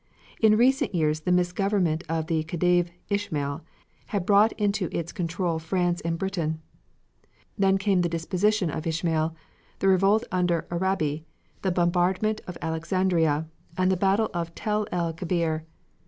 In recent years the misgovernment of the Khedive Ismael had brought into its control France and Britain; then came the deposition of Ismael, the revolt under Arabi, the bombardment of Alexandria and the battle of Tel el Kebir.